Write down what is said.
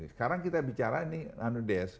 sekarang kita bicara ini